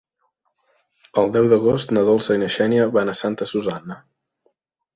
El deu d'agost na Dolça i na Xènia van a Santa Susanna.